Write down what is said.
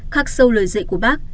khắc sâu lời dậy của bác